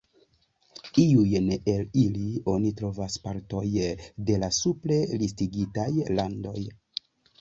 Iujn el ili oni trovas partoj de la supre listigitaj landoj.